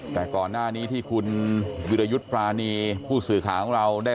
แต่ก่อนหน้านี้ที่คุณวิรยุทธ์ปรานีผู้สื่อข่าวของเราได้